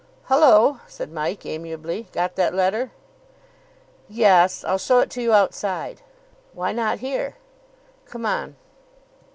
"Hullo," said Mike amiably. "Got that letter?" "Yes. I'll show it you outside." "Why not here?" "Come on."